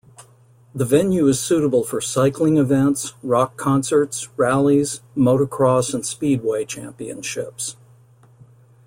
The venue is suitable for cycling events, rock concerts, rallies, motocross and speedway championships.